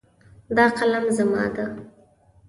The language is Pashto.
دا قلم زما ده